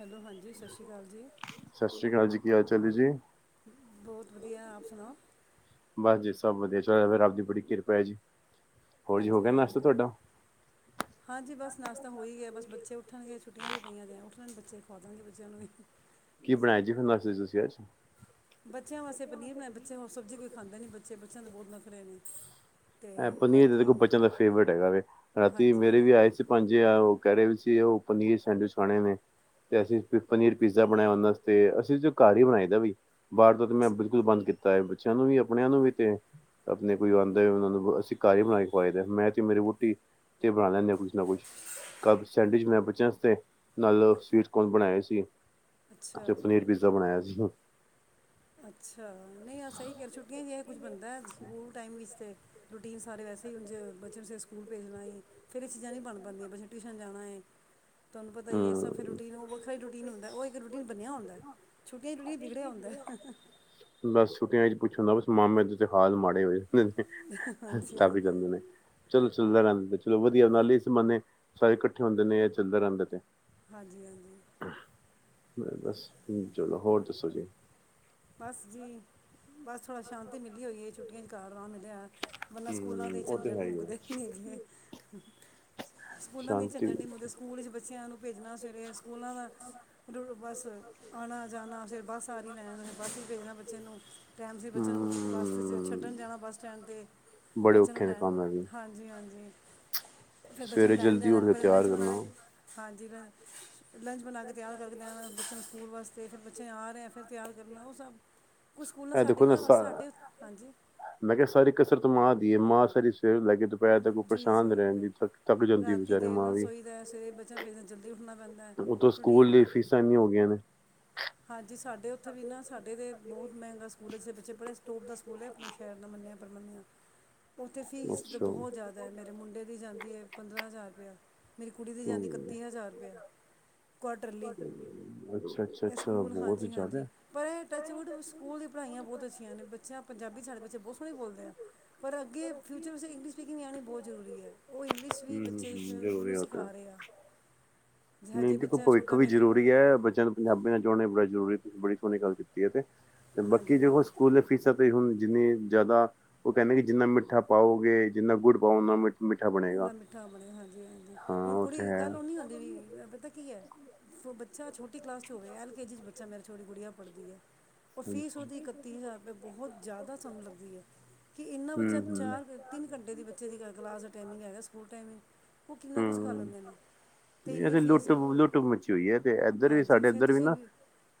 Hello, ਹਾਂਜੀ, ਸਤਿ ਸ਼੍ਰੀ ਅਕਾਲ ਜੀ। ਕੀ ਹਾਲ- ਚਾਲ ਹੈ ਜੀ। ਬਹੁਤ ਵਧੀਆ, ਸੁਣਾਓ? ਬਸ ਜੀ ਸਭ ਵਧੀਆ ਚਲ ਰਿਹਾ ਫੇਰ ਰੱਬ ਦੀ ਬੜੀ ਕਿਰਪਾ ਹੈ ਜੀ। ਹਾਂਜੀ, ਹਾਂਜੀ-ਹਾਂਜੀ ਬਸ ਨਾਸ਼ਤਾ ਹੋ ਹੀ ਗਿਆ। ਬਸ ਬੱਚੇ ਉੱਠਣਗੇ ਛੁੱਟੀਆਂ ਜੋ ਪਈਆਂ ਨੇ। ਬੱਚੇ ਖਵਾ ਦਾਂਗੇ, ਬੱਚਿਆਂ ਨੂੰ ਵੀ- ਕੀ ਬਣਾਇਆ ਜੀ, ਫੇਰ ਨਾਸ਼ਤੇ ਚ ਤੁਸੀਂ ਅੱਜ? ਬੱਚਿਆਂ ਵਾਸਤੇ ਪਨੀਰ ਬਣਾਇਆ, ਬੱਚੇ ਹੋਰ ਸਬਜ਼ੀ ਕੋਈ ਖਾਂਦੇ ਨੀ ਬੱਚੇ, ਬੱਚਿਆਂ ਦੇ ਬਹੁਤ ਨਖਰੇ ਨੇ। ਏ ਪਨੀਰ ਤਾਂ ਦੇਖੋ ਬੱਚਿਆਂ ਦਾ ਫੇਵਰੇਟ ਹੈਗਾ ਵ। ਰਾਤੀ ਮੇਰੇ ਵੀ, ਆਏ ਸੀ ਪੰਜ ਕਹਿ ਰਹੇ ਵੀ ਸੀ, ਉਹ ਪਨੀਰ ਸੈਂਡਵਿਚ ਖਾਣੇ ਨੇ। ਤੇ ਅਸੀਂ ਪਨੀਰ ਪੀਜ਼ਾ ਬਣਾਇਆ ਉਹਨਾਂ ਵਾਸਤੇ। ਅਸੀਂ ਘਰ ਹੀ ਬਣਾਈ ਦਾ ਵੀ- ਬਾਹਰ ਤੋਂ ਤਾਂ, ਮੈਂ ਬਿਲਕੁਲ ਬੰਦ ਕੀਤਾ। ਤਾਂ, ਬੱਚਿਆਂ ਨੂੰ ਵੀ ਆਪਣਿਆਂ ਨੂੰ ਵੀ ਤੇ, ਆਪਣੇ ਕੋਈ ਆਦਾ ਉਹਨਾਂ ਨੂੰ ਅਸੀਂ, ਘਰ ਹੀ ਬਣਾ ਕੇ ਖਵਾਏ ਦਾ ਹੈ। ਮੈਂ ਤੇ ਮੇਰੀ ਵੋਟੀ ਤੇ ਬਣਾ ਲੈਂਦੇ ਹਾਂ। ਕੁਛ ਨਾ ਕੁਛ ਕ ਸੈਂਡਵਿਚ ਬਣਾ ਬੱਚਿਆਂ ਵਾਸਤੇ ਨਾਲ ਸਵੀਟ ਕੋਨ ਬਣਾਏ ਸੀ। ਅੱਛਾ। ਪਨੀਰ ਪੀਜ਼ਾ ਬਣਾਇਆ ਸੀ। ਅੱਛਾ। ਨਹੀਂ ਆ ਸਹੀ ਕਰ ਛੁੱਟੀਆਂ ਚ ਇਹ ਕੁੱਝ ਬੰਦਾ ਹੈ। ਸਕੂਲ ਟਾਈਮ ਵਿੱਚ ਰੂਟੀਨ ਸਾਰੇ ਵੈਸੇ ਹੀਚ ਬੱਚਿਆਂ ਨੂੰ ਸਵੇਰੇ ਸਕੂਲ ਭੇਜਣਾ ਫੇਰ ਇਹ ਚੀਜ਼ਾਂ ਨਹੀਂ ਬਣ ਪਾਂਦੀ। ਬੱਚਿਆਂ ਨੇ ਟਿਊਸ਼ਨ ਜਾਣਾ ਏ। ਤੁਹਾਨੂੰ ਪਤਾ ਹੀ ਇਹ ਸ ਫਿਰ ਰੂਟੀਨ ਉਹ ਵੱਖਰਾ ਰੂਟੀਨ ਹੁੰਦਾ ਉਹ ਇੱਕ ਰੂਟੀਨ ਬਣਿਆ ਆਦਾ ਛੁਟੀਆਂ ਦੀ ਰੂਟੀਨ ਬ ਵਿਗੜਿਆ ਜਾਦਾ, ਬਸ ਛੁੱਟੀਆਂ ਚ ਪੁੱਛਣੁੰਦਾ ਬਸ ਮਾਮੇ ਦੇ ਤੇ ਹਾਲ ਮਾੜੇ ਹੋਏ। ਤਾਂ ਵੀੀ ਜਾਂਦੇ ਨੇ ਚਲੋ ਚੱਲਦਾ ਰਹਿੰਦੇ ਚਲੋ ਵਧੀਆ ਨਾਲ ਹੀ ਜ਼ਮਾਨੇ ਸਾਰੇ ਇਕੱਠੇ ਹੁੰਦੇ ਨੇ ਜਾਂ ਚੱਲਦਾ ਰਹਿੰਦੇ ਨੇ ਤੇ ਹਾਂਜੀ ਹਾਂਜੀ ਮ ਬਸ ਹਮ ਚਲੋ ਹੋਰ ਦੱਸੋ ਜੀ ਥੋੜਾ ਸ਼ਾਂਤੀ ਮਿਲੀ ਹੋਈ ਛੁੱਟ ਚ ਘਰ ਆਰਾ ਬੰਨਾ ਸਕੂਲਾਂ ਦੇ ਝੰਜੜ ਮੁੱਕਦੇ ਨ ਹੈਗੇ ਸਕੂਲਾਂ ਦੇ ਝੰਜੜ ਨਹੀਂ ਮੁੱਕਦੇ ਸਕੂਲ ਚ ਬੱਚਿਆਂ ਨੂੰ ਭੇਜਣਾ ਸਵੇਰੇ ਸਕੂਲਾਂ ਦਾ ਬਸ ਆਉਣਾ ਜਾਣਾ ਫਿਰ ਬੱਸ ਆ ਰਹੀ ਲੈਣ ਫਿਰ ਬੱਸ ਹੀ ਭੇਜਣਾ ਬੱਚੇ ਨੂੰ ਟਾਈਮ ਸੀ ਬੱਚੇ ਨੂੰ ਬੱਸ ਛੱਡਣ ਜਾਣਾ ਬੱਸ ਸਟੈਂਡ 'ਤੇ ਬੱਚੇ ਨੂੰ ਲੈਣ ਹਾਂਜੀ ਹਾਂਜੀ ਫਿਰ ਬੱਚਿਆਂ ਨੂੰ ਲੈਣ ਜਾਦਾ ਪਰ ਲੰਚ ਬਣਾ ਕੇ ਹਾਂਜੀ ਜਿਕ ਲੰਚ ਬਣਾ ਕੇ ਤਿਆਰ ਕਰਦੇ ਹ ਬੱਚੇ ਨੂੰ ਸਕੂਲ ਵਾਸਤੇ ਤੇ ਫਿਰ ਬੱਚੇ ਆ ਰਿਹੇਹਾ ਫਿਰ ਤਿਆਰ ਕਰਨਾ ਉਹ ਸਭ ਇਹ ਦੇਖੋ ਨਾ ਸ ਮੈਂ ਕਿਹਾ ਸਾਰੀ ਕਸਰਤ ਮ ਆ ਮਾਸ ਤੇ ਲੈ ਕੇ ਦੁਪਹਿਰ ਤੱਕ ਉਹ ਪਰੇਸ਼ਾਨ ਰਹਿੰਦੀ ਤੱਕ ਜਾਂਦੀ ਬਚਾਰੇ ਮਾਂ ਵੀ ਉਥੋਂ ਸਕੂਲ ਦੀ ਫੀਸਾਂ ਇੰਨੀਆਂ ਹੋ ਗਈਆਂ ਨੇ ਹਾਂਜੀ ਸਾਡੇ ਉੱਥੇ ਵੀ ਨਾ ਸਾਡੇ ਦੇ ਬਹੁਤ ਮਹਿੰਗਾ ਸਕੂਲ 'ਚ ਬੱਚੇ ਬੜੇ ਤੋੜਦਾ ਸਕ ਸਕੂਲ ਆਪਣੇ ਸ਼ਹਿਰ ਦਾ ਮੰਨਿਆ ਬ੍ਰਮਨਆ ਉੱਥੇ ਫੀਸ ਤਾਂ ਬਹੁਤ ਜ਼ਿਆਦਾ ਹੈ ਮੇਰੇ ਮੁੰਡੇ ਦੀ ਜਾਂਦੀ ਹੈ ਪੰਦਰਾਂ ਹਜ਼ਾਰ ਰੁਪਇਆ ਮੇਰੀ ਕੁੜੀ ਦੀ ਜਾਂਦੀ ਇਕੱਤੀ ਹਜ਼ਾਰ ਰੁਪਇਆ ਕੁਆਟਰਲੀ ਸਕੂਲ ਹਾਂਜੀ ਹਾਂਜੀ ਪਰ ਇਹ ਟੱਚਵੁੱਡ ਸਕੂਲ ਦੀ ਪੜ੍ਹਾਈਆਂ ਬਹੁਤ ਅੱਛੀਆਂ ਨੇ ਬੱਚਿਆਂ ਪੰਜਾਬੀ ' ਸਾਡੇ ਬੱਚੇ ਬਹੁਤ ਸੋਹਣੇ ਬੋਲਦੇ ਆ ਪਰ ਅੱਗੇ ਫਿਊਚਰ ਵਿੱਚ ਇੰਗਲਿਸ਼ ਸਪੀਕਿੰਗ ਵੀ ਆਉਣੀ ਬਹੁਤ ਜ਼ਰੂਰੀ ਹੈ ਉਹ ਇੰਗਲਿਸ਼ ਵੀ ਬੱਚੇ 'ਚ ਨੂੰ ਸਿਖਾ ਹੋਆ ਨਹੀਂ ਦੇਖੋ ਭਵਿੱਖ ਵੀ ਜ਼ਰੂਰੀ ਹੈ ਬੱਚਿਆਂ ਨੂੰ ਪੰਜਾਬੀ ਬ ਨਾਲ ਜੋੜੇ ਬੜਾ ਜ਼ਰੂਰੀ ਤੁਸੀਂ ਬੀ ਸੋਹਣੀ ਗੱਲ ਕੀਤੀ ਹੈ ਤੇ ਤੇ ਬਾਕੀ ਜ ਸਕੂਲ ਦੇ ਫੀਸਾਂ ਹੁਣ ਜਿੰਨੀ ਜ਼ਿਆਦਾ ਉਹ ਕਹਿੰਦੇ ਕਿ ਜਿੰਨਾ ਮਿੱਠਾ ਪਾਓਗੇ ਜਿੰਨਾ ਗੁੜ ਪਾਓ ਉਨਾ ਮਿੱਠਾ ਨਾ ਮਿੱਠਾ ਬਣਿਆ ਹਾਂਜੀ ਹਾਂਜੀ ਹੁਣ ਕੁੜੀ ਗੱਲ ਓ ਨਨੀ ਆਉਂਦੀ ਪੱਕੀ ਹੈ। ਚਛ ਛੋਟੀਲਾ 'ਚ ਹੋਵੇ ਐਲ ਕੇ ਜੀ ਚ ਬ ਮੇ ਛੋਟੀ ਕੁੜੀ ਕਰੜਦੀ ਹੈ। ਉਹ ਫੀਸ ਉਹਦੀ ਇਕੱਤੀ ਹਜ਼ਾਰ ਰੁਪਏ ਬਹੁਤ ਜ਼ਿਆਦਾ ਸਮ ਲੱਗਦੀ ਹੈ ਕਿ ਇੰਨਾ ਬੱਚਾ ਚਾਰ ਤਿੰਨ ਘੰਟੇ ਦੀ ਬੱਚੇ ਦੀ ਕਲਾਸ ਟਾਈਮਿੰਗ ਹੈਗਾ ਸਕੂਲ ਟਾਈਮਿੰਗ ਉਹ ਕਿੰਨਾ ਕੁਛ ਕਰ ਲੈਂਦੇ ਨੇ ਅਤੇ ਇਨੀ ਫੀਸ ਹਾਂਜੀ ਫਿਰ ਤੁਸੀਂ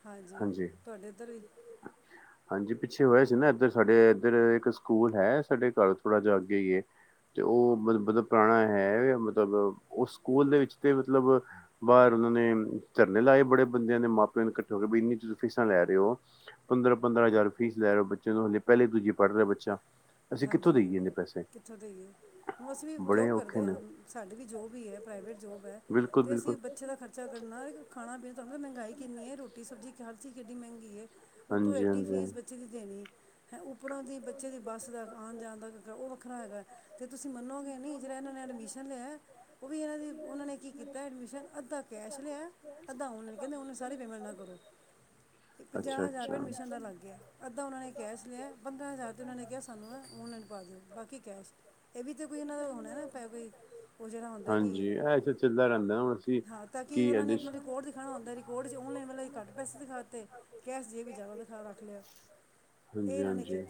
ਹਾਂਜੀ ਤੁਹਾਡੇ ਤੋਂ ਦਰ ਹਾਂਜੀ ਪਿੱਛੇ ਹੋਇਆ ਸੀ ਨਾ ਇੱਧਰ ਸਾਡੇ ਇੱਧਰ ਇੱਕ ਸਕੂਲ ਹੈ ਸਾਡੇ ਘਰ ਥੋੜਾ ਜਾਿਹਾ ਅਗੇ ਹੀ ਏ ਤੇ ਉਹ ਮਤਲਬ ਪੁਰਾਣਾ ਹੈ ਮਤਲਬ ਉਸ ਸਕੂਲ ਦੇ ਵਿੱਚ ਤੇ ਮਤਲਬ ਬਾਹਰ ਉਹਨਾ ਨੇ ਧਰਨੇ ਲਾਏ ਬੜੇ ਬੰਦਿਆਂ ਦੇ ਮਾਂ ਪਿਓ ਨੇ ਇਕੱਠੇ ਹੋ ਕੇ ਇੰਨੀ ਤੁਸੀਂ ਫੀਸਾਂ ਲੈ ਰਹੇ ਹੋ। ਪੰਦਰਾਂ ਪੰਦਰਾਂ ਹਜ਼ਾਰ ਫੀਸ ਲੈ ਰਓ ਬੱਚੇ ਨੂੰ ਹਲੇ ਪਹਿਲੇ ਦੂਜੀ ਪੜ੍ਹ ਰਿਹਾ ਬੱਚਾ। ਹਾਂਜੀ ਹਾਂਜੀ ਕਿੱਥੋਂ ਦੇਈਏ ਹੁਣ ਅਸੀਂ ਵੀ ਜੋਬ ਕਰਦੇ ਹਾਂ ਸਾਡੀੇ ਵੀ ਜੋਬ ਹੀ ਹੈ ਪ੍ਰਾਈਵੇਟ ਜੋਬ ਹੈ ਅਤੇ ਅਸੀਂ ਬੱਚੇ ਦਾ ਖਰਚਾ ਕੱਢਣਾ ਖਾਣਾ ਪੀਣਾ ਤੁਾਨੂੰ ਮਤਲਬ ਮਹਿੰਗਾਈ ਕਿੰਨੀ ਹੈ ਰੋਟੀ ਸਬਜ਼ੀ ਹਰ ਚੀਜ਼ ਕਿੰ ਮਹਿੰਗੀ ਹੈ। ਉਤੋਂ ਐਡੀ ਫ਼ੀਸ ਬੱਚੇ ਦੀ ਦੇਣੀ ਹੈ ਉੱਪਰੋਂ ਦੀ ਬੱਚੇ ਦੀ ਬੱਸ ਦਾ। ਜਾ ਦਾ ਉਹ ਵੱਖਰਾ ਹੈਗਾ ਤੇ ਤੁਸੀਂ ਮੰਨੋਗੇ ਨੀ ਜਿਹੜਾ ਇਹਨਾਂ ਨੇ ਐਡਮਿਸ਼ਨ ਲਿਆ ਉਹ ਵੀ ਇਹਨਾਂ ਦੀ ਉਹਨਾਂ ਨੇ ਕੀ ਕੀਤਾ ਐਡਮਿਸ਼ਨ ਅੱਧਾ ਕੈਸ਼ ਲਿਆ ਅੱਧਾ ਔਨਲਾਈਨ ਕਹਿੰਦੇ ਨਾਂ ਸਾਰੀ ਪੇਮੈਂਟ ਨਾ ਕਰੋ ਪੰਜਾਹ ਹਜ਼ਾਰ ਰੁਪਏ ਐਡਮਿਸ਼ਨ ਦਾ ਲੱਗ ਗਿਆ ਅੱਧਾ ਉਹਨਾਂ ਨੇ ਕੈਸ਼ ਲਿਆ। ਪੰਦਰਾਂ ਹਜ਼ਾਰ ਤੇ ਉਹਨਾਂ ਨੇ ਕਿਹਾ ਸਾਨੂੰ ਹੈ ਓਨਲਾਈਨ ਪਾ ਦਿਓ ਬਾਕੀ ਕੈਸ਼ ਇਹ ਵੀ ਤਾਂ ਕੋਈ ਉਹਨਾਂ ਦਾ ਹੋਣਾ ਨਾ ਪ ਕੋਈ ਉਹ ਜਿਹੜਾ ਹੁੰਦਾ ਕਿ ਹਾਂ ਤਾਂ ਕਿ ਉਹਨਾਂ ਨੇ ਆਪਣਾ ਰਿਕੋਡ ਦਿਖਾਉਣਾ ਹੁੰਦਾ ਰਿਕੋਡ 'ਚ ਔਨਲਾਈਨ ਵਾਲ ਘੱਟ ਪੈਸੇ ਦਿਖਾਤੇ ਕੈਸ਼ ਜੇ ਵੀ ਜ਼ਿਆਦਾ ਦਿਖਾ ਰੱਖ ਲਿਆ। ਹਾਂਜੀ ਹਾਂਜੀ।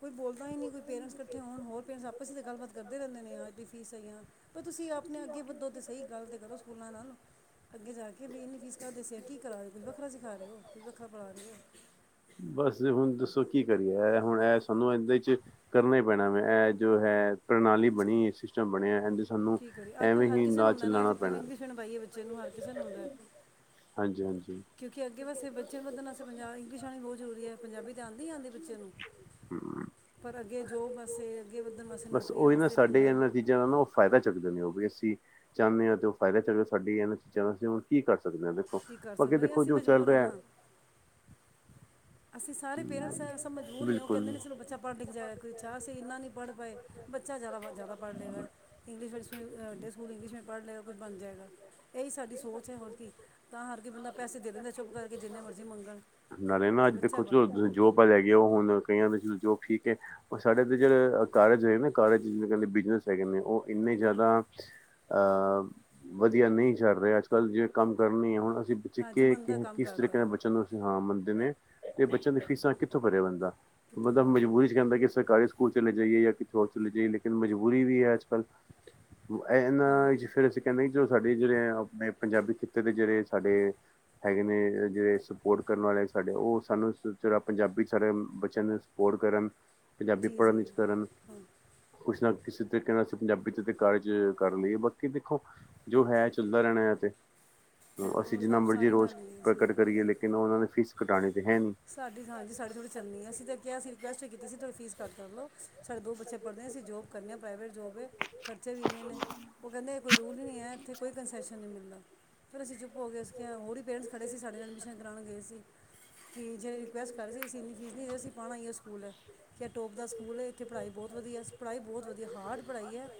ਕੋਈ ਬੋਲਦਾ ਹੀ ਨਹੀਂ ਕੋਈ ਪੇਰੈਂਟਸ ਇਕੱਠੇ ਹੋਣ ਹੋਰ ਪੇਰੈਂਟਸ ਆਪੇ ਹੀ ਤਾਂ ਗੱਲਬਾਤ ਕਰਦੇ ਰਹਿੰਦੇ ਨੇ ਅੱਜ ਦੀ ਫੀਸ ਸਹੀ ਆ ਪਰ ਤੁਸੀਂ ਆਪਣੇ ਅੱਗੇ ਵੱਧੋ ਤਾਂ ਸਹੀ ਗੱਲ ਤਾਂ ਕਰੋ ਸਕੂਲਾਂ ਨਾਲ ਅੱਗੇ ਜਾ ਕੇ ਵੀ ਇੰਨੀ ਫੀਸ ਘਰ ਦੱਸ ਜਾਂ ਕੀ ਕਰਾ ਰਹੇ ਹੋ ਕੋਈ ਵੱਖਰਾ ਸਿਖਾ ਰਹੇ ਹੋ ਤੁਈ ਵੱਖਰਾ ਪੜ੍ਹਾ ਰਹੇ ਹੋ। ਕੀ ਕਰੀਏ ਹੁਣ ਇਹ ਸਾਨੂੰ ਚ ਕਰਨਾ ਹੀ ਪੈਣਾ ਮੈਂ ਇਹ ਜੋ ਹੈ ਪ੍ਰਣਾਲੀ ਬਣੀ ਸਿਸਟਮ ਬਣਿਆ। ਠੀਕ ਹੈ ਜੀ ਅਜ ਕਲ ਹਰ ਕਿਸੇ ਨੂੰ ਆਉਂਦਾ ਨਾ ਅਸੀਂ ਇੰਗਲਿਸ਼ ਹੋਣ ਪਾਈਏ ਬੱਚੇ ਨੂੰ ਹਰ ਕਿਸੇ ਨੂੰ ਆਉਂਦਾ ਕਿਉਂਕਿ ਅੱਗੇ ਵਸੇ ਬੱਚੇ ਨੂੰ ਪੱਧਣਸ ਪੰਜ ਇੰਗਲਿਸ਼ ਆਉਣੀ ਬਹੁਤ ਜ਼ਰੂਰੀ ਹੈ ਪੰਜਾਬੀ ਤਾਂ ਆਉਂਦੀ ਹੀ ਆਉਂਦੀ ਬੱਚੇ ਨੂੰ। ਪਰ ਅੱਗੇ ਜੋਬ ਵਾਸਤੇ ਅੱਗੇ ਵਧਣ ਵਾਸਤੇ ਨੌਕਰੀਆਂ ਵਾਸਤੇ ਪੰਜਾਬ। ਸਕਦੇ ਨੇ ਉਹ ਵੀ ਅਸੀਂ ਚਾਹੁੰਦੇ ਹਾਂ ਤੇ ਉਹ ਫਾਇਦਾ ਚੱਲ ਸਾਡੀ ਇਹ ਚ ਹ ਕੀ ਕਰ। ਸਕਦੇ ਹਾਂ ਦੇਖੋ ਬਾਕੀ ਦੇਖੋ ਜੋ ਚੱਲ ਰਿਹਾ। ਅਸੀਂ ਸਾਰੇ ਪੇਰੈਂਟਸ ਹੈ ਅਸੀਂ ਮਜਬੂਰ ਹਾਂ ਉਹ ਕਹਿੰਦੇ ਨਹੀਂ ਸਲੂੰ ਬੱਚਾ ਪੜ੍ਹ ਲਿਖ ਜਾਏਗਾ ਕੋਈਛਾ ਅਸੀਂ ਇੰਨਾ ਨਹੀਂ ਪੜ੍ਹ ਪਾਏ ਬੱਚਾ ਜ਼ਿਆਦਾ ਜ਼ਦਾ ਪੜ੍ਹ ਲਏਗਾ ਇੰਗਲਿਸ਼ ਵਡੇ ਸਕੂਲ ਇੰਗਲਿਸ਼ ਵੀ ਪੜ੍ਹ ਲਏਗਾ ਕੁਝ ਬਣ ਜਾਏਗਾ ਇਹੀ ਸਾਡੀ ਸੋਚ ਹੈ ਹੋਰ ਕੀ ਤਾਂ ਹਰ ਕੋਈ ਬੰਦਾ ਪੈਸੇ ਦੇ ਦਿੰਦਾ ਚੁੱਪ ਕਰਕੇ ਜਿੰਨੇ ਮਰਜ਼ੀ ਮੰਗਣ। ਅੱਜ ਦੇਖੋ ਜੋ ਆਪਾਂ ਲੈ ਗਏ ਉਹ ਹੁਣ ਕਈਆਂ ਦੇ। ਜੋ ਠੀਕ ਹੈ ਸਾਡੇ ਇ ਜਿਹੜੇ ਕਾਰਜ ਹੈ ਨਾ ਕਾਰਜ ਜਿਹ ਕਹਿੰਦੇ ਬਿਜਨਸ ਹੈਗੇ ਨੇ ਉਹ ਇੰਨੇ ਜ਼ਿਆਦਾ ਅਹ ਵਧੀਆ ਨਹੀਂ ਚੱਲ ਰਹੇ ਅੱਜ ਕੱਲ੍ਹ ਜੇ ਕੰਮ ਕਰਨੇ ਆ ਹੁਣ। ਅ ਬੱਚੇ ਕਿਸ ਤਰੀਕੇ ਦੇ ਬੱਚਿਆਂ ਨੂੰ ਅਸੀਂ ਹਾਂ ਮੰਨਦੇ ਨੇ। ਅਤੇ ਬੱਚਿਆਂਆਂ ਫੀਸਾਂ ਕਿੱਥੋਂ ਭਰਿਆ ਬਣਦਾ ਮਤਲਬ ਮਜਬੂਰੀ ਚ ਕਹਿੰਦਾ ਕਿ ਸਰਕਾਰੀ ਸਕੂਲ ਚਲੇ ਜਾਈਏ ਜਾਂ ਕਿਥੇ ਹੋਰ ਚਲੇ ਜਾਈਏ ਲੇ ਮਜਬੂਰੀ ਵੀ ਹੈ ਅੱਜ ਕਲ ਓ ਏਹੇ ਹੈ ਨਾ ਇਸ ਕਰਕੇ ਅਸੀਂ ਕੇਣੇ ਆ ਕੀ ਸਾਡੇ ਜਿਹੜੇ ਆਪਣੇ ਪੰਜਾਬੀ ਖੇਤਰ ਦੇ ਜਿਹੜੇ ਸਾਡੇ ਹੈਗੇ ਨੇ ਜਿਹੜੇ ਸਪੋਰਟ ਕਰਨ ਵਾਲੇ ਸਾਡੇ ਉਹ ਸਾਨੂੰ ਸੀਗਾ ਪੰਜਾਬੀ ਸਾਡੇ ਬੱਚਿਆਂ ਨੂੰ ਸਪੋਰਟ ਕਰਨ। ਪੰਜਾਬੀ ਪੜ੍ਹਨ ਵਿੱਚ ਕਰਨ ਕੁਛ ਨਾ ਕਿਸੇ ਤਰੀਕੇ ਨਾਲ ਅਸੀਂ ਪੰਜਾਬੀ ਤੇ ਕਾਰਜ ਕਰ ਲਈਏ ਬਾਕੀ ਦੇਖੋ ਜੋ ਹੈ ਚੱਲਦਾ ਰਹਿਣਾ ਹੈ ਤੇ ਅਸੀਂ ਜਿੰਨਾ ਮਰਜ਼ੀ ਰੋਸ ਪ੍ਰਕਟ ਕਰੀਏ ਲੇਕਿਨ ਉਹਨਾ ਨੇ ਫੀਸ ਕਟਾਉਣੀ ਸਾਡੀ ਤਾਂ ਹਾਂਜੀ ਸਾਡੀ ਥੋੜ੍ਹੀ ਚੱਲਨੀ ਆ ਅਸੀਂ ਤੇ ਅਸੀਂ ਰਿਕੁਐਸਟ ਕੀਤੀ ਸੀ ਥੋੜੀ ਫੀਸ ਕਰੱਟ ਕਰ ਲੋ ਸਾਡੇ ਦੋ ਬੱਚੇ ਪ੍ਹਦੇ ਅਸੀਂ ਜੋਬ ਕਰਨੇ ਆ ਪ੍ਰਾਈਵੇਟ ਜੋਬ ਹੈ ਖਰਚੇ ਵੀ ਇੰਨੇ ਨੇ ਉਹ ਕਹਿੰਦੇ ਕੋ ਰੂਲ ਹੀ ਨਹੀਂ ਹੈ ਇੱਥੇ ਕੋਈ ਕਨਸੈਸ਼ਨ ਨਹੀਂ ਮਿਲਦਾ ਅਸੀ ਚੁਪ ਹੋ ਗਏ ਅਸੀਂ ਕਿਆ ਉ ਬਹੁਰ ਹੀ ਪੇਰੈਂਟਸ ਖੜ੍ਹੇ ਸੀ ਸਾਡੇ ਨਾਲ ਐਡਮਿਸ਼ਨ ਕਰਵਾਉਣ ਗਏ ਸੀ ਕਿ ਜਿਹੜ ਰਿਕੁਐਸ ਕਰ ਸੀ ਅਸੀਂੰਨੀ ਫੀਸ ਨਹੀਂ ਸੀ ਅਸੀਂ ਪਾਉਣਾ ਹੀ ਉਹ ਸਕੂਲ ਹੈ ਕਿ ਅਟੋਪ ਦਾ ਸਕੂਲ ਹੈ ਇੱਥੇ ਪੜਾਈ ਬਹੁਤ ਵਧੀਆ ਪੜ੍ਹਾਈ ਬਹੁਤ ਵਧੀਆ ਹਾਰਡ ਪੜ੍ਹਾਈ ਹੈ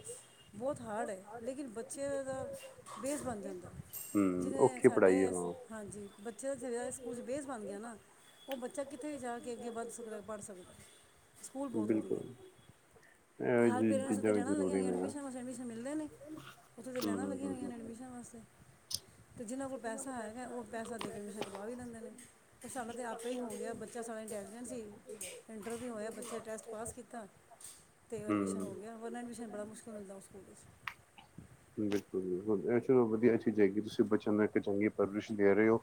ਬਹੁਤ ਹਾਰਡ ਹੈ ਲੇਕਿਨ ਬੱਚੇ ਦਾ ਬੇਸ ਬਣ ਜਾਂਦਾ ਜਿਵੇਂ ਸਾਡੇ ਹਾਂਜੀ ਛ ਸਕੂਲਚ ਬੇਸ ਬਣ ਗਿਆ ਨਾ ਉਹ ਬੱਚਾ ਕਿੱਥੇ ਵੀ ਜਾ ਕੇ ਅੱਗੇ ਵੱਧ ਸਕਦਾ ਪੜ੍ਹ ਸਕਦਾ ਸਕੂਲ ਬਹੁਤ ਵਧੀਆ ਅਤੇ ਹਰ ਪੇਰੈਂਟਸ ਉੱਤੇ ਲੈਣਾ ਲੱਗੀਆਂ ਹੋਈਆਂ ਐਡਮਿਸ਼ਨਨਾਂ ਵਾਸਤੇ ਐਡਮਿਸ਼ਨ ਮਿਲਦੇ ਨੇ ਉੱਥੇ ਤਾਂ ਲੈਣਾ ਲੱਗੀਆਂ ਹੋਈਆਂ ਨੇ ਐਡਮਿਸ਼ਨ ਵਾਸਤੇ ਅਤੇ ਜਿਹਨਾਂ ਕੋਲ ਪੈਸਾ ਹੈਗਾ ਉਹ ਪੈਸਾ ਦੇ ਕੇ ਐਡਮਿਸ਼ਨ ਕਰਵਾ ਵੀ ਲੈਂਦੇ ਨੇ ਪਰ ਸਾਡਾ ਤਾਂ ਆਪੇ ਹੀ ਹੋ ਗਿਆ ਬੱਚਾ ਸਡਾ ਇੰਟੈਲੀਜੈਂਟ ਸੀ ਇੰਟਰਵ ਵੀ ਹੋਇਆ ਬੱਚੇ ਨੇ ਟੈਸਟ ਪਾਸ ਕੀਤਾ ਅਤੇ ਐਡਮਿਸ਼ਨ ਹੋ ਗਿਆ ਵਰਨ ਐਡਮਿਸ਼ਨ ਬੜਾ ਮੁਸ਼ਕਿਲ ਮਿਲਦਾ ਉਸ ਸਕੂਲ ਵਿੱਚ ਵਧੀਆ ਚੀਜ਼ਏਗੀ ਤੁਸੀਂ ਬੱਚੇ ਨੂੰ ਇੱਕ ਚੰਗੀ ਪਰਵਿਸ਼ ਦੇ ਰਹੇ ਓ,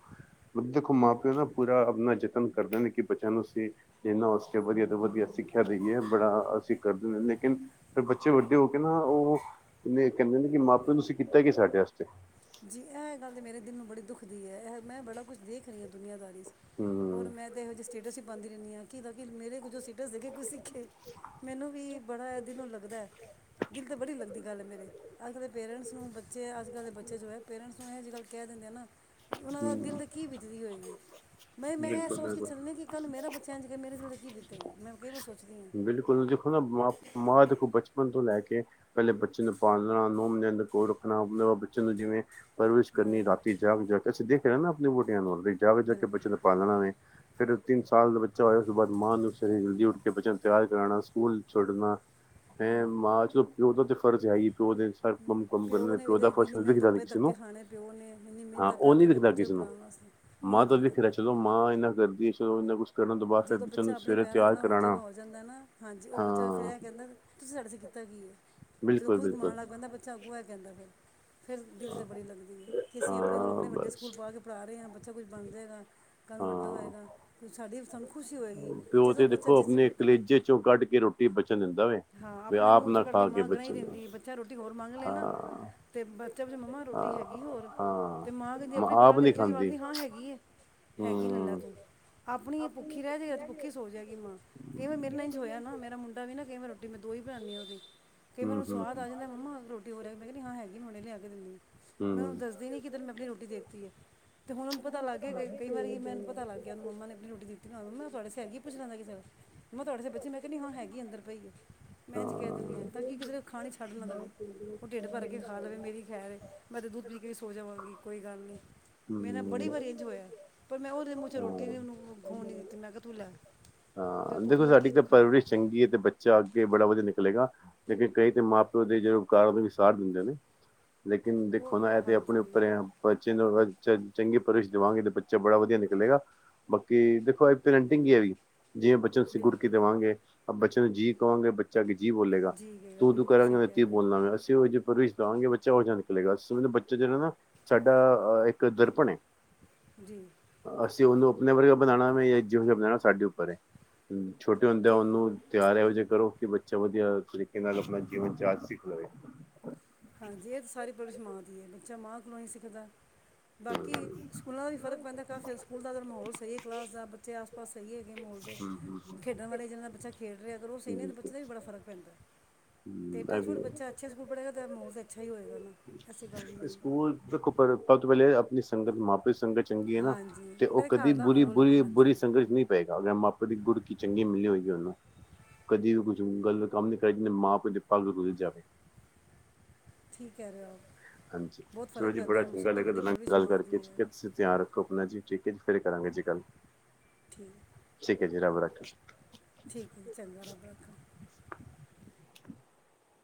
ਦੇਖੋ ਮਾਂ ਪਿਓ ਨਾ ਪੂਰਾ ਆਪਣਾ ਯਤਨ ਕਰਦੇ ਨੇ ਕਿ ਬੱਚਿਆਂ ਨੂੰ ਅਸੀਂ ਜਿਨਾ ਉਸ ਵਧੀਆ ਤੋਂ ਵਧੀਆ ਸਿੱਖਿਆ ਦੇਈਏ ਬੜਾ ਅਸੀਂ ਕਰਦੇ ਨੇ ਲੇਕਿਨ ਫੇਰ ਬੱਚੇ ਵੱਡੇ ਹੋ ਕੇ ਨਾ ਉਹ ਕਹਿੰਦੇ ਨੇ ਕਿ ਮਾਂ ਪਿਓ ਤੁਸੀਂ ਕੀਤਾ ਕੀ ਸਾਡੇ ਆਸਤੇ ਜੀ ਇਹ ਗੱਲ ਤਾਂ ਮੇਰੇ ਦਿਲ ਨੂੰ ਬੜੀ ਦੁੱਖਦੀ ਹੈ ਇਹ ਮੈਂ ਬੜਾ ਕੁਝ ਦੇਖ ਰਹੀ ਹਾਂ ਦੁਨੀਆਂਦਾਰੀ ਹੋਰ ਮੈਂ ਤੇ ਇਹੋ ਜਿਹੀ ਸਟੇਟਸ ਬਣਦੀ ਰਹਦੀਾਂ ਕਿ-ਕਿ ਮੇਰੇ ਕੁੱਝ ਦੱਸ ਕੇ ਕਿ ਕੋਈ ਸਿੱਖੇ ਮੈਨੂੰ ਵੀ ਬੜਾ ਦਿਨੋ ਲੱਗ [unintelligible] ਦਿਲ ਤੇ ਬੜੀ ਲੱਗਦੀ ਗੱਲ ਮੇਰੇ ਅਜ ਕੱਲ ਦੇ ਪੇਰੈਂਟਸ ਨੂੰ ਬੱਚੇ ਅਜ ਕੱਲ ਦੇ ਬੱਚੇ ਜੋ ਹੈ ਪੇਰੈਂਟਸ ਨੂੰ ਇਹੋ ਜਿਹੇ ਕੱਲ ਕਹਿ ਦਿੰਦੇ ਆ ਨਾ ਉਹਨਾਂ ਦਾ ਦਿਲ ਤਾਂ ਕੀ ਬੀਤਦੀ ਹੋਏਗੀ ਮੈਂ-ਮੈਂ ਇਹ ਸੋਚ ਕੇ ਚੱਲਦੀ ਕਿ ਕੱਲ੍ਹ ਮੇਰਾ ਬੱਚਾ ਜ ਮੇਰੇ ਦਿਲ ' ਕੀ ਬੀਤਦਾਗੀ ਮੈਂ ਕਈ ਵਾਰ ਸੋਚਦੀ ਹਾਂ ਲੈ ਕੇ ਪਹਿਲੇ ਬੱਚੇ ਨੂੰ ਪਾਲਣਾ ਉਹਨੁ, ਨੋ ਮਹੀਨੇ ਕੋਲ ਰੱਖਣਾ ਬੱਚੇ ਨੂੰ ਜਿਵੇਂ ਪਰਵਿਸ਼ ਕਰਨੀ ਰਾਤੀ ਜਾਗ ਜਾ ਕੇ ਸਿੱਧੇ ਹੇਨਾ ਆਪਣੇ ਬੂੱਟਿਆਂ ਕੌਲ ਜਾਗ ਕੇ ਜਾਗ ਕੇ ਬੱਚੇ ਨੂੰ ਪਾਲਣਾ ਵੈ ਫੇਰ ਤਿੰਨ ਸਾਲ ਦਾ ਬੱਚਾ ਹੋਇਆ ਉਸ ਤੋਂ ਬਾਅਦ ਮਾਂ ਨੂੰ ਸਵੇਰੇ ਜਲਦੀ ਉੱਠ ਕੇ ਬੱਚਿਆਂ ਨੂੰ ਤਿਆਰ ਕਰਾਣਾ ਸਕੂਲ ਛੱਡਣਾ। ਹੈ ਮਾਂ ਸੁਖ- ਵੀ ਉਦਾ ਤਾ ਫਰਜ਼ ਹੈ ਹੀ ਏ ਪਿਓ ਦੇ ਸਮ ਕੁਮ ਕਰਨ ਪਿਓ ਦਾ ਜੋ ਦਿਖਦਾ ਨੀ ਕਿਸੇ ਨੂੰ ਹਾਂ ਉਹ ਨੀ ਦਿਖਦਾ ਕਿਸੇ ਨੂੰ ਮਾਂ ਤਾਂ ਲਿਖਦਾ ਚਲੋ ਮਾਂ ਇਹ ਨਾ ਕਰਦੀ ਏ- ਪਿਓ ਇਨਾ ਕੁਛ- ਜਦੋਂ ਬੱਚਾ ਆਪਣੇ ਪੈਰ ਖੜਾ ਹੋਣ ਜਗਾ ਹੋ ਜਾਂਦਾ ਨਾ ਹਾਂਜੀ ਉਹ ਬੱਚਾ ਫਿਰ ਇਹ ਕਹਿੰਦਾ- ਤੁਸੀਂ ਸਾਡੇ ਸ ਕੀਤਾ ਕੀ ਏ ਜਦੋਂ ਖੁਦ ਕਮਾਣ ਲੱਗ ਪੈਦਾ ਬੱਚਾ ਅੱਗੋਂ ਆ ਕਹਿੰਦਾ ਫਿਰ- ਫਿਰ ਦਿਲ ਤਾਂ ਬੜੀ ਲੱਗਦੀ ਹੈ ਕਿ ਅਸੀਂ ਆਪਣੇ ਵੱਲ ਆਪਣੇ ਵੱਡੇ ਸਕੂਲ ਪਾ ਕੇ ਪੜ੍ਹਾ ਰਹੇ ਹਾਂ। ਬੱਚਾ ਕੁਛ ਬਣ ਜੇਗਾ। ਕੱਲ ਨੂੰ ਵੱਡਾ ਹੋਏਗਾ ਕੋਈ ਸਾਡੀ- ਪਿਓ ਤੇ ਦੇਖੋ ਆਪਣੇ ਕਲੇਜੇ ਚੋਂ ਕੱਢ ਕੇ ਰੋਟੀ- [inaudible] ਹਾਂ ਆਪਣੇ ਮੂੰਹ ਚ ਕਡ ਕੇ ਮਾਂ ਗਰਾਈ ਦਿੰਦੀ ਏ ਬੱਚਾ ਰੋਟੀ ਹੋਰ ਮੰਗ ਲੇ ਨਾ ਤੇ ਬ- ਮੰਮਾ ਰੋਟੀ ਹੈਗੀ ਹੋਰ ਤੇ ਮਾਂ ਕਹਿੰਦੀ ਆਪਣੀ ਪਕੜ ਕਰਕੇ ਹੋ ਮ ਕਹਿੰਦੀ ਹਾਂ ਹੈਗੀ ਏ ਹੈਗੀ ਏ‌ ਲੈ ਲੈ ਤੂੰ ਆਪ- ਆਪਣੀ ਭੁੱਖੀ ਰਹਿ ਜਾਏਗਾ ਤੇ ਭੁੱਖੀ ਸੋ ਜਾਏਗੀ ਮਾਂ ਕਹਿੰਦੀ ਮੇਰੇ ਨਾਲ ਇੰਝ ਹੋਇਆ ਨਾ ਮੇਰਾ ਮੁੰਡਾ ਵੀ ਨਾ ਕਈ ਵਾਰੀ- ਤੇ ਮੈਂ ਦੋ ਹੀ ਬਣਾਦੀ ਕਈ ਵਾਰ ਸਵਾਦ ਆ ਜਾਂਦਾ ਮੰਮਾ ਰੋਟੀ ਹੋਰ ਹੈਗੀ। ਮੈਂ ਕਹਿਣੀ ਨਹੀਂ ਹਾਂ ਹੈਗੀ ਹੁਣੇ ਲਿਆ ਕੇ ਦਿੰਦੀ ਹਾਂ। ਮੈਂ ਉਹਨੂੰ ਦੱਸਦੀ ਨੀ ਕਿ ਤਨ ਮੈਂ ਆਪਣੀ ਰੋਟੀ ਦੇਤੀ ਏ। ਤੇ ਹੁਣ ਪਤਾ ਲੱਗ ਗਿਆ ਕਈ ਵਾਰੀ ਮੈਨੂੰ ਪਤਾ ਲੱਗ ਗਿਆ ਮੰਮਾ ਨੇ ਆਪਣੀ ਰੋਟੀ ਦਿੱਤੀ ਮੈਂ ਤੁਹਾਡੇ ਸੇ ਬੱਚੇ ਮੈਂ ਕਿਹਾ ਨਹੀਂ ਹੁਣ ਹੈਗੀ ਅੰਦਰ ਪਈ ਏ। ਮੈਂ ਇੰਝ ਕਹਿ ਦਿੰਦੀ ਹਾਂ ਤਾਂ ਕਿ ਕਿਤੇ ਖਾਣ ਹੀ ਛੱਡ ਨਾ ਦੇਵੇ ਉਹ ਢਿੱਡ ਭਰ ਕੇ ਖਾ ਲਵੇ ਮੇਰੀ ਖੈਰ ਏ ਮੈਂ ਤਾਂ ਦੁੱਧ ਪੀ ਕੇ ਵੀ ਸੋ ਜਾਵਾਂਗੀ ਕੋਈ ਗੱਲ ਨੀ। ਮੇਰਾ ਬੜੀ ਵਾਰੀ ਇੰਜ ਹੋਇਆ ਪਰ ਮੈਂ ਉਹਦੇ ਮੂੰਹ ਚ ਰੋਟੀ ਨਹੀਂ ਉਹਨੂੰ ਖੋਣ ਨਹੀਂ ਦਿੱਤੀ ਮੈਂ ਕਿਹਾ ਤੂੰ ਲੈ ਵੀ ਭੁੱਖ ਲੱਗੀ ਤੂੰ ਖਾ ਬੜਾ ਵਧੀਆ ਨਿਕਲੇਗਾ ਲੇਕਿਨ ਕਈ ਤਾਂ ਮਾਂ ਪਿਓ ਦੇ ਜਦ ਉ ਕਾਰ ਨੂੰ ਵੀ ਸਾਰ ਦਿੰਦੇ ਨੇ- ਲੇਕਿਨ ਦੇਖੋ ਨਾ ਇਹ ਤੇ ਆਪਣੇ ਉੱਪਰ ਬੱਚੇ ਨੂੰ- ਚੰਗੇ ਪਰਵਰਿਸ਼ ਦੇਵਾਂਗੇ ਤੇ ਬੱਚੇ ਬੜਾ ਵਧੀਆ ਨਿਕਲੇਗਾ ਬਾਕੀ ਦੇਖੋ ਇਹ ਪੇਰੈਂਟਿੰਗ ਈ ਇਹੀ ਏ- ਜੇ ਬੱਚਾ ਸ ਗੁਰ ਕੀ ਦੇਵਾਂਗੇ। ਬੱਚੇ ਨੂੰ ਜੀਅ ਕਹਾਂਗੇ ਬੱਚਾ- ਜੀ ਬੋਲੇਗਾ ਤੂੰ-ਤੂੰ ਕਰਾਂਗੇ ਨਤੀ ਬੋਲਣਾ ਅਸੀੇੇਵ- ਦਵਾਂਗੇ ਬੱਚਾ ਉਹ ਜਿਹਾ ਨਿਕਲੇਗਾ ਉਸ ਸਮੇਂ ਬੱਚਾ ਜਿਹੜਾ ਨਾ ਸਾਡਾ ਅਹ- ਦਰਪਣੇ ਹੈ ਜੀ ਉਹਨੂੰ ਆਪਣੇਪਰ ਬਣਾਉਣਾ ਮੈਂ ਜਾਂ ਜਿਹੋ ਜਿਹਾ ਬਣਾਉਣਾ ਸਾਡੇ ਉੱਪਰ ਹੈ ਹਮ ਛੋਟੇ ਹੁੰਦੇ ਆ ਉਹਨੂੰ ਤਿਆਰ ਇਹੋ ਜਿਹੇ ਕਰੋ ਕੇ ਬੱਚਾ ਵਧੀਆ ਤਰੀ ਕੇ। ਕਿਨ ਨਾਲ ਆਪਣਾ ਜੀਵਨ ਚਾਜ ਸਿੱਖ ਲਵੇ। ਹਾਂਜੀ ਇਹ ਤੇ ਸਾਰੀ ਪਰਵਰਿਸ਼ ਮਾਂ ਦੀ ਏ ਬੱਚਾ ਮਾਂ ਕੋਲੋਂ ਹੀ ਸਿੱਖਦੈ। ਬਾਕੀ ਸਕੂਲਾਂ ਦਾ ਵੀ ਫਰਕ ਪੈਂਦਾ ਏ ਤਾਂ ਫਿਰ ਸਕੂਲ ਦਾ ਅਗਰ ਮਾਹੌਲ ਸਹੀ ਹੈ ਕਲਾਸ ਦਾ ਬੱਚੇ ਆਸ ਪਾਸ ਸਹੀ ਹੈਗੇ ਮਾਹੌਲ ਦੇ ਖੇਡਣ ਵਾਲੇ ਜਿਨ ਨਾਲ ਬੱਚਾ ਖੇਡ ਰਿਹਾ ਅਗਰ ਉਹ ਸਹੀ ਨੇ ਤਾਂ ਬੱਚੇ ਦਾ ਵੀ ਬੜਾ ਫ਼ਰਕ ਪੈਂਦਾ ਤੇ ਟਚਵੁਡ ਬੱਚਾ ਅੱਛੇ ਸਕੂਲ ਪੜ੍ਹੇਗਾ ਤੇ ਤੇ ਮਾਹੌਲ ਤੇ ਅੱਛਾ ਹੀ ਹੋਏਗਾ ਨਾ ਐਸੀ ਗੱਲ ਵੀ ਨਹੀਂ ਏ। ਲੇ ਆਪਣੀ ਸੰਗਤ ਮਾਪੇ ਸੰਗਤ ਚੰਗੀ ਹੈ ਨਾ ਤੇ ਉਹ ਕਦੀ ਬੁਰੀ ਬੁਰੀ ਬੁਰੀ ਸੰਗਤ ਚ ਨਹੀਂ ਪਏਗਾ ਅਗਰ ਮਾਪੇ ਦੀ ਗੁੜਤੀ ਚੰਗੀ ਮਿਲੀ ਹੋਏਗੀ ਉਹਨੂੰ। ਕਦੀ ਵੀ ਕੁਜ ਗੱਲ ਕੰਮ ਨੀ ਕਰਨੇ ਜ ਮਾਂ ਪੇ ਦੀ ਪੱਗ ਰੁਲ ਜਾਵੇ ਠੀਕ ਕਹਿ ਰਿਹਾ ਉਹ। ਹਾਂਜੀ ਚਲੋ ਜੀ ਬੜਾ ਚੰਗਾ ਲੱਗਾ ਤੁਹਾਡੇ ਨਾਲ ਗੱਲ ਕਰਕੇ, ਠੀਕ ਹੈ ਤੁਸੀਂ ਧਿਆਨ ਰੱਖੋ ਆਪਣਾ ਜੀ, ਠੀਕ ਹੈ ਜੀ ਫਿਰ ਕਰਾਂਗੇ ਜੀ ਗੱਲ, ਠੀਕ ਹੈ ਜੀ। ਰੱਬ ਰਾਖਾ। ਠੀਕ ਹੈ ਜੀ ਚੰਗਾ ਰੱਬ ਰਾਖਾ।